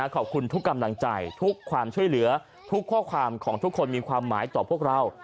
ขอบคุณทุกกำลังใจทุกความช่วยเหลือทุกข้อความของทุกคนมีความหมายต่อพวกเรา